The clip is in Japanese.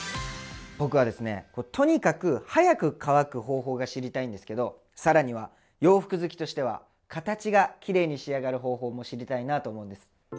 僕はですねとにかく早く乾く方法が知りたいんですけど更には洋服好きとしては形がきれいに仕上がる方法も知りたいなと思うんです。